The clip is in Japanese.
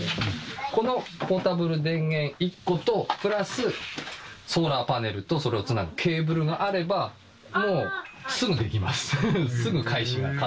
このポータブル電源１個と、プラスソーラーパネルとそれをつなぐケーブルがあれば、もう、すぐできます。